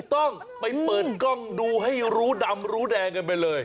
ต้องไปเปิดกล้องดูให้รู้ดำรู้แดงกันไปเลย